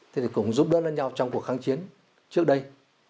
thì cũng giúp đỡ nhau trong cuộc kháng chiến trước đây